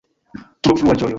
Tro frua ĝojo!